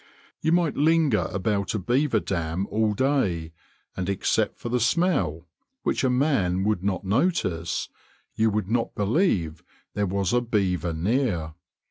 You might linger about a beaver dam all day, and except for the smell, which a man would not notice, you would not believe there was a beaver near.